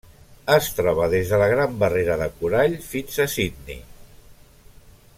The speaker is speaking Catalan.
Es troba des de la Gran Barrera de Corall fins a Sydney.